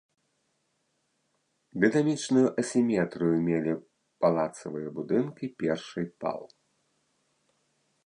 Дынамічную асіметрыю мелі палацавыя будынкі першай пал.